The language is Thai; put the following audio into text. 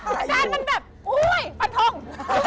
การมันแบบปัดทอง